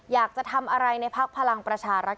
อยากจะทำอะไรในพักพลังประชารัฐ